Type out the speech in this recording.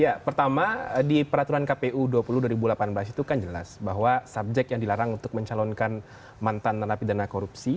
ya pertama di peraturan kpu dua puluh dua ribu delapan belas itu kan jelas bahwa subjek yang dilarang untuk mencalonkan mantan narapidana korupsi